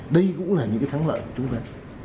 đây cũng là những thắng lợi của chúng ta